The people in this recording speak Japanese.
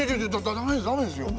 だめですよ！